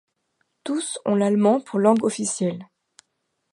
Tous ont l'allemand pour langue officielle.